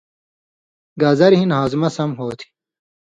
گازریۡ ہِن ہاضمہ سم ہو تھی۔